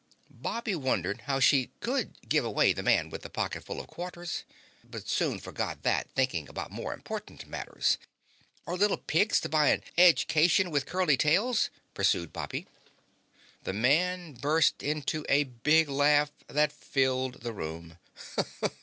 Bobby wondered how she could give away the Man With the Pocketful of Quarters, but soon forgot that thinking about more important matters. "Or little pigs to buy an edge cation with curly tails?" pursued Bobby. The man burst out into a big laugh that filled the room.